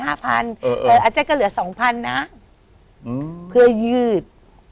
อาเจ๊ก็เหลือ๒๐๐๐นะเพื่อยืด